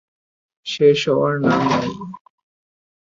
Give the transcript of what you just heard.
শেষ হওয়ার নাম নেই।